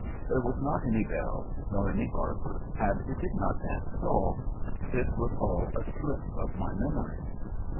There was not any bell, nor any barber, and we did not dance at all. This was all a slip of my memory.